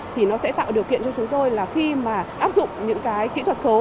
thì nó sẽ tạo điều kiện cho chúng tôi là khi mà áp dụng những cái kỹ thuật số